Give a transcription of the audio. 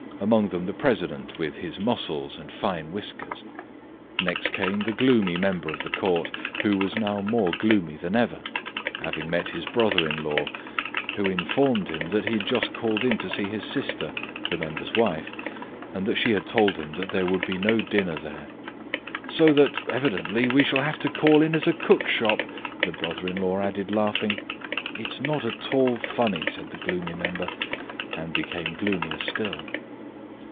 Among them the president, with his muscles and fine whiskers. Next came the gloomy member of the Court, who was now more gloomy than ever, having met his brother in law, who informed him that he had just called in to see his sister (the member's wife), and that she had told him that there would be no dinner there. "So that, evidently, we shall have to call in at a cook shop," the brother in law added, laughing. "It is not at all funny," said the gloomy member, and became gloomier still.